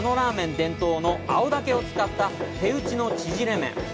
伝統の青竹を使った手打ちのちぢれ麺。